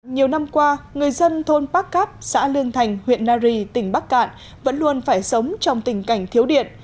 nhiều năm qua người dân thôn bắc cáp xã lương thành huyện nari tỉnh bắc cạn vẫn luôn phải sống trong tình cảnh thiếu điện